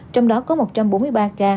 trong đó có một trăm bốn mươi ba ca